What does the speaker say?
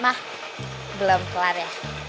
mah belum kelar ya